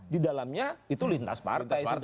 di dalamnya itu lintas partai partai